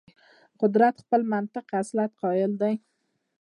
قدرت خپل منطق اصالت قایل دی.